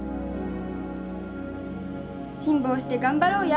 辛抱して頑張ろうや。